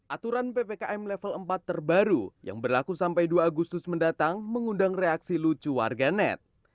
aturan ppkm level empat terbaru yang berlaku sampai dua agustus mendatang mengundang reaksi lucu warga net